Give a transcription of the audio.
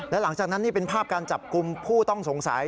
และหลังจากนั้นนี่เป็นภาพการจับกลุ่มผู้ต้องสงสัย